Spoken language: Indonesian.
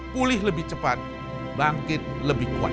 pulih lebih cepat bangkit lebih kuat